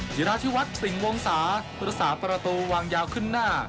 จิราธิวัฒน์สิ่งวงศาพุทธศาสประตูวางยาวขึ้นหน้า